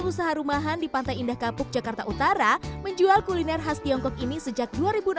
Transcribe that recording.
usaha rumahan di pantai indah kapuk jakarta utara menjual kuliner khas tiongkok ini sejak dua ribu enam belas